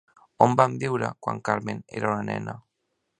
On van anar a viure quan Carmen era una nena?